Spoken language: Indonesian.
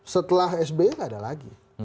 setelah sby gak ada lagi